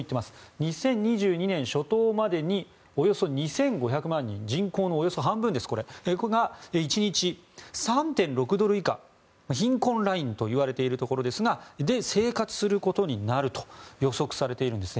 ２０２２年初頭までにおよそ２５００万人これ、人口のおよそ半分ですが１日３．６ドル以下貧困ラインといわれているところそれで生活することになると予測されているんですね。